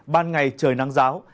ban ngày trời nắng giáo